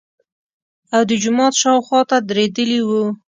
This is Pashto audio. او د جومات شاوخواته درېدلي وو.